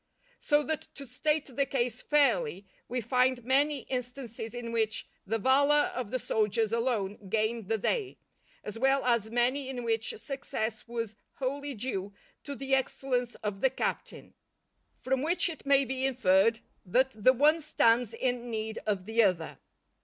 So that to state the case fairly, we find many instances in which the valour of the soldiers alone gained the day, as well as many in which success was wholly due to the excellence of the captain. From which it may be inferred that the one stands in need of the other.